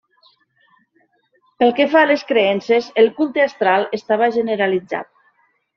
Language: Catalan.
Pel que fa a les creences, el culte astral estava generalitzat.